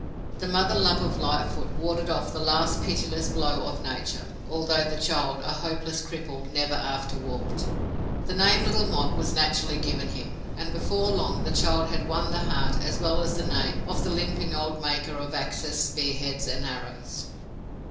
The mother love of Lightfoot warded off the last pitiless blow of nature, although the child, a hopeless cripple, never after walked. The name Little Mok was naturally given him, and before long the child had won the heart, as well as the name, of the limping old maker of axes, spearheads and arrows.